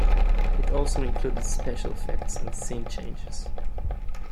It also included special effects and scene changes.